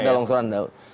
ada longsoran di bawah